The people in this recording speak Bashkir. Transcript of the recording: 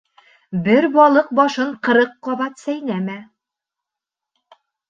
Бер балыҡ башын ҡырҡ ҡабат сәйнәмә.